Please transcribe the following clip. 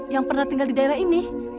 yang pernah tinggal di daerah ini